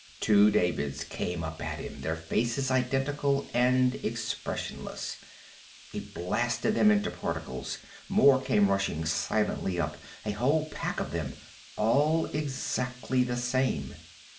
Two Davids came up at him, their faces identical and expressionless. He blasted them into particles. More came rushing silently up, a whole pack of them. All exactly the same.